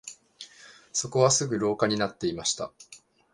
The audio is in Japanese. そこはすぐ廊下になっていました